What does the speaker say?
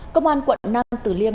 công an quận năm tử liêm